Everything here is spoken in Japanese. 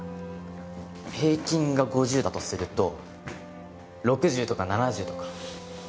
平均が５０だとすると６０とか７０とか？